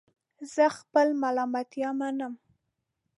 زه خپل ملامتیا منم